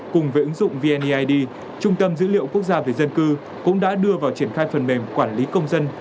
cùng với ứng dụng vneid trung tâm dữ liệu quốc gia về dân cư cũng đã đưa vào triển khai phần mềm quản lý công dân